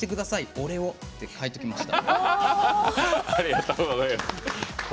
俺をって書きました。